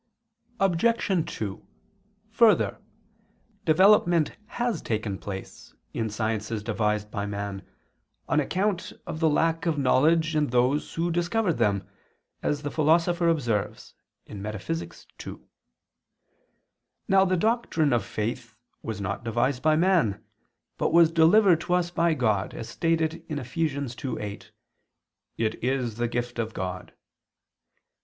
Obj. 2: Further, development has taken place, in sciences devised by man, on account of the lack of knowledge in those who discovered them, as the Philosopher observes (Metaph. ii). Now the doctrine of faith was not devised by man, but was delivered to us by God, as stated in Eph. 2:8: "It is the gift of God."